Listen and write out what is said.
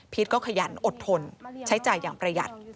ก็ขยันอดทนใช้จ่ายอย่างประหยัด